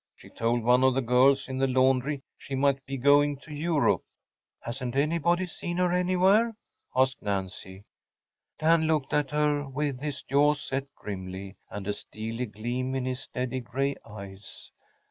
She told one of the girls in the laundry she might be going to Europe.‚ÄĚ “Hasn’t anybody seen her anywhere?‚ÄĚ asked Nancy. Dan looked at her with his jaws set grimly, and a steely gleam in his steady gray eyes.